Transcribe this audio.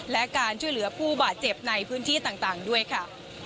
และการช่วยเหลือผู้บาดเจ็บในพื้นที่ต่างด้วยค่ะ